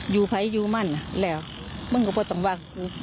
อยู่ภัยอยู่มันแล้วมึงก็ไม่ต้องว่าง